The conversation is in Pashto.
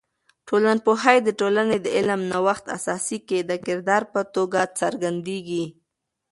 ټولنپوهی د ټولنې د علم د نوښت اساسي کې د کردار په توګه څرګندیږي.